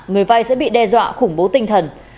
người vay sẽ bị đe dọa khủng bố tinh thần